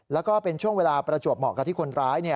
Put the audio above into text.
แล้วก็เป็นช่วงเวลาประจวบเหมาะกับที่คนร้าย